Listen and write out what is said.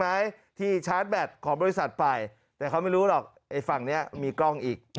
ไหมที่ชาร์จแบตของบริษัทไปแต่เขาไม่รู้หรอกไอ้ฝั่งนี้มีกล้องอีก